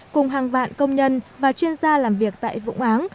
cùng hàng vạn công nhân và chuyên gia làm việc tại vũng áng